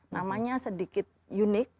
namanya sedikit unik